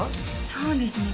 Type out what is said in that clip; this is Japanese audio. そうですね